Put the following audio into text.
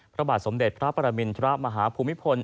พระบาทสมเด็จพระปรมินทรมาฮภูมิพล